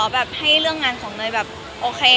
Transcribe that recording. ไม่ได้เรื่องงานของหน่วยแบบโอเค